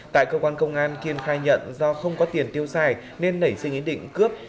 tại cơ quan công an kiên khai nhận do không có tiền tiêu xài nên nảy sinh ý định cướp